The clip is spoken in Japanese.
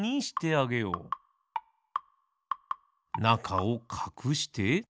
なかをかくして。